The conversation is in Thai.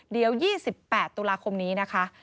เดี๋ยว๒๘ตุลาคมนี้นะคะ